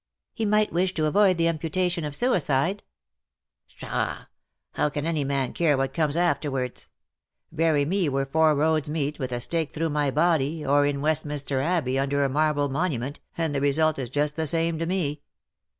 " He might wish to avoid the imputation of suicide." " PshaW; how can any man care what comes afterwards ? Bury me where four roads meet, with a stake through my body,, or in Westminster Abbey under a marble monument, and the result is just the same to me."